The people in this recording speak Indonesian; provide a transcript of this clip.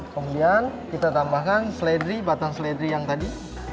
kemudian kita tambahkan seledri batang seledri yang tadi